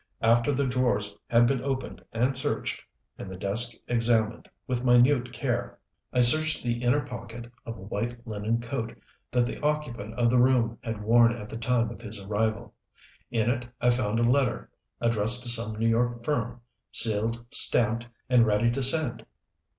After the drawers had been opened and searched, and the desk examined with minute care, I searched the inner pocket of a white linen coat that the occupant of the room had worn at the time of his arrival. In it I found a letter, addressed to some New York firm, sealed, stamped, and ready to send.